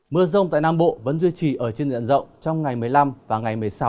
mưa rông tại nam bộ vẫn duy trì ở trên diện rộng trong ngày một mươi năm và ngày một mươi sáu